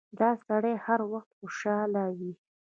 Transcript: دا سړی هر وخت خوشاله وي.